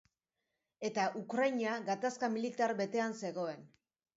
Eta Ukraina gatazka militar betean zegoen.